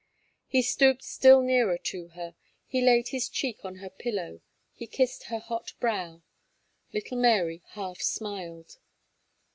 He stooped still nearer to her; he laid his cheek on her pillow; he kissed her hot brow, little Mary half smiled.